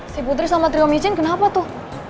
si putri sama triwamijen kenapa tuh